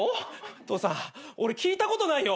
父さん俺聞いたことないよ！